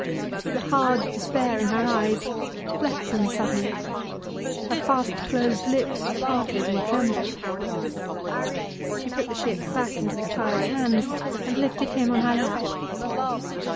The hard despair in her eyes left them suddenly; her fast closed lips parted and trembled. She put the ship back into the child's hands and lifted him on her lap.